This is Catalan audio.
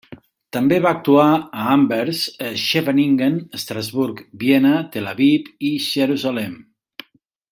També va actuar a Anvers, Scheveningen, Estrasburg, Viena, Tel Aviv, i Jerusalem.